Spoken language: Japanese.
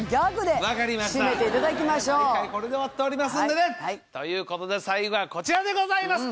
毎回これで終わっておりますんでね。ということで最後はこちらでございます。